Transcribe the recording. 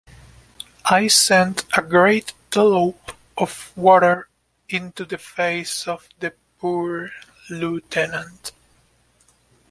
I sent a great dollop of water into the face of the poor lieutenant.